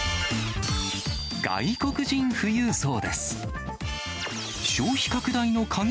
外国人富裕層です。